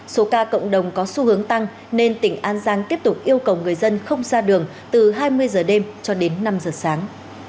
số ca cộng đồng có xu hướng tăng nên tỉnh an giang tiếp tục yêu cầu người dân không ra đường từ hai mươi giờ đêm cho đến năm giờ sáng